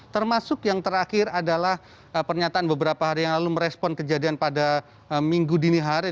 termasuk yang terakhir adalah pernyataan beberapa hari yang lalu merespon kejadian pada minggu dini hari